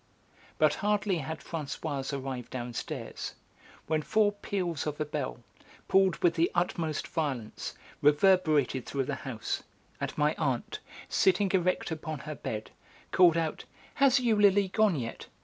But hardly had Françoise arrived downstairs, when four peals of a bell, pulled with the utmost violence, reverberated through the house, and my aunt, sitting erect upon her bed, called out: "Has Eulalie gone yet?